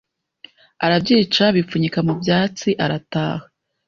Arabyica abipfunyika mu bwatsi arataha